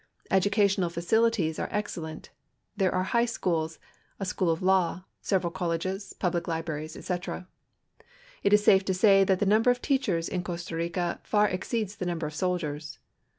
Educational facilities are ex cellent: there are high schools, a school of law, several colleges^ public libraries, etc. It is safe to say that the number of teachers in Costa Rica far exceeds the numl)er of soldiers.